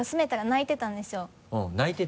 「ないてた」